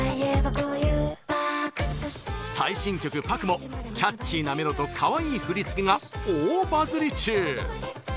最新曲「ＰＡＫＵ」もキャッチーなメロとかわいい振り付けが大バズり中。